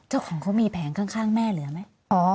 เจ้าของเขามีแผงข้างแม่เหลือไหม